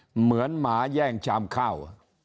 เหมือนหมาแย่งชามข้าว